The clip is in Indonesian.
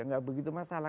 nggak begitu masalah